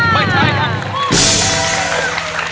ไม่ใช้ค่ะ